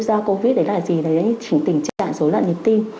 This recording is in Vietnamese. do covid đó là gì đó là những tình trạng rối loạn nhiệt tim